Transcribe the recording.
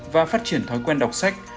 và phát triển thói quen đọc sách